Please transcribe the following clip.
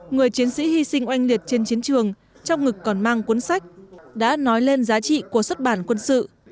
người chiến sĩ hy sinh oanh liệt trên chiến trường trong ngực còn mang cuốn sách đã nói lên giá trị của xuất bản quân sự